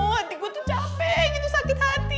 hati gue tuh capek gitu sakit hati